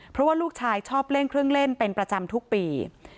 เพราะว่าลูกชายชอบเล่นเครื่องเล่นเป็นประจำทุกปี